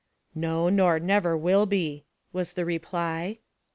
" No, nor never will be," was the reply.